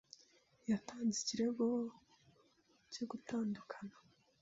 Yatanze ikirego cyo gutandukana.